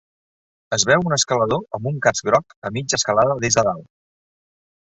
Es veu un escalador amb un casc groc a mitja escalada des de dalt.